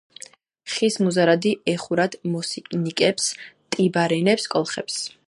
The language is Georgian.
ხის მუზარადი ეხურათ მოსინიკებს, ტიბარენებს, კოლხებს.